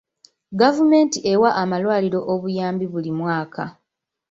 Gavumenti ewa amalwaliro obuyambi buli mwaka.